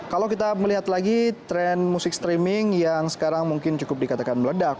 kalau kita melihat lagi tren musik streaming yang sekarang mungkin cukup dikatakan meledak